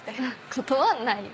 断んないよ。